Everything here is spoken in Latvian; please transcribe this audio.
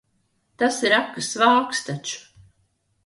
Tas ir akas vāks taču.